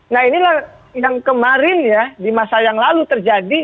nah inilah yang kemarin ya di masa yang lalu terjadi